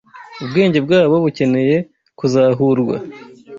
Ubwenge bwabo bukeneye kuzahurwa